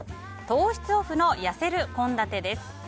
糖質オフのやせる献立です。